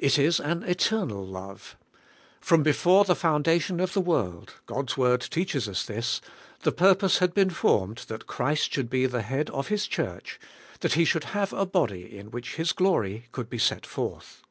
It is an eternal love. From before the foundation of the world — God's Word teaches us this — the pur pose had been formed that Christ should be the Head of His Church, that He should have a body in which His glory could be set forth.